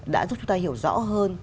đã giúp chúng ta hiểu rõ hơn